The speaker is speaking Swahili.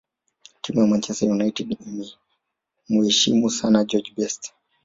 timu ya manchester united inamuheshimu sana george best